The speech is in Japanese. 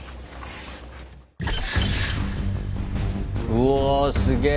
うおすげぇ！